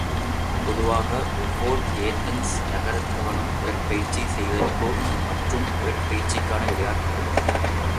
பொதுவாக ஒவ்வோர் ஏதென்ஸ் நகரத்தவனும் உடற்பயிற்சி செய்வதற்கோ மற்றும் உடற்பயிற்சிக்கான விளையாட்டுக்களில் ஈடுபடுவதற்கோ மிகவும் அவா உள்ளவனாய் இருந்தான்.